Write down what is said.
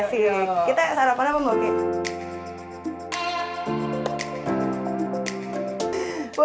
asik kita sarapan apa mbak oki